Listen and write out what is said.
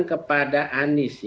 kepada anis ya